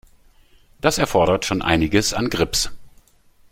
Das erfordert schon einiges an Grips.